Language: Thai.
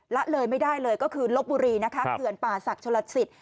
ละเลยไม่ได้เลยก็คือลบบุรีนะคะเขื่อนป่าศักดิชลสิต